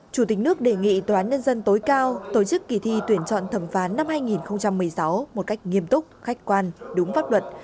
chủ tịch nước đề nghị tòa án nhân dân tối cao tổ chức kỳ thi tuyển chọn thẩm phán năm hai nghìn một mươi sáu một cách nghiêm túc khách quan đúng pháp luật